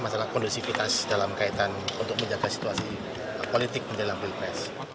masalah kondusivitas dalam kaitan untuk menjaga situasi politik menjelang pilpres